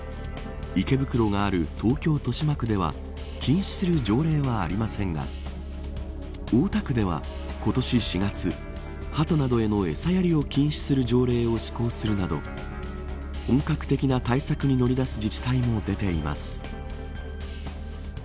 池袋がある東京、豊島区では禁止する条例はありませんが大田区では、今年４月ハトなどへの餌やりを禁止する条例を施行するなど本格的な対策に乗り出す自治体も出ています。